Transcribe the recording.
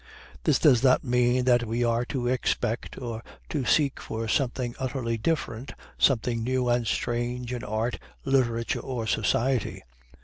This does not mean that we are to expect or to seek for something utterly different, something new and strange, in art, literature, or society.